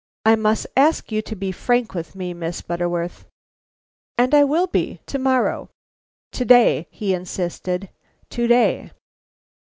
I must ask you to be frank with me, Miss Butterworth." "And I will be, to morrow." "To day," he insisted, "to day."